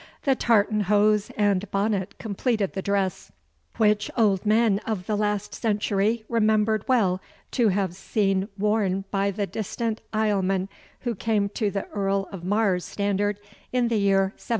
The tartan hose and bonnet completed the dress, which old men of the last century remembered well to have seen worn by the distant Islesmen who came to the Earl of Mar's standard in the year 1715.